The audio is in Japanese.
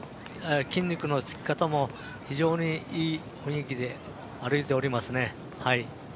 筋肉のつき方も非常にいい雰囲気で歩いておりますね。